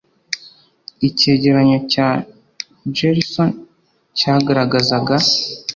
icyegeranyo cya gersony cyagaragazaga